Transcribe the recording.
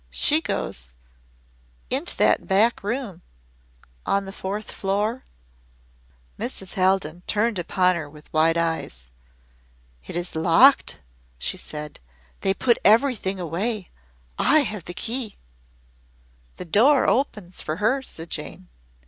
"She goes into that back room on the fourth floor " Mrs. Haldon turned upon her with wide eyes. "It is locked!" she said. "They put everything away. I have the key." "The door opens for her," said Jane.